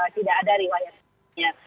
tidak ada riwayatnya